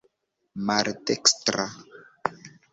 maldekstra